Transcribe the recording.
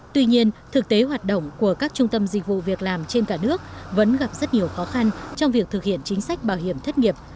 tuy nhiên thực tế hoạt động của các trung tâm dịch vụ việc làm trên cả nước vẫn gặp rất nhiều khó khăn trong việc thực hiện chính sách bảo hiểm thất nghiệp